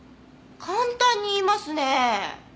簡単に言いますね。